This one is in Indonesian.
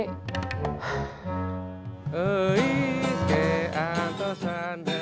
kalau gitu berarti dp nya harus gede